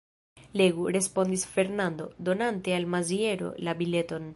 Legu, respondis Fernando, donante al Maziero la bileton.